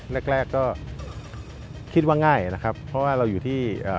แรกแรกก็คิดว่าง่ายนะครับเพราะว่าเราอยู่ที่เอ่อ